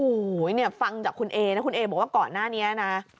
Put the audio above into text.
โอ้โหเนี่ยฟังจากคุณเอนะคุณเอบอกว่าก่อนหน้านี้นะ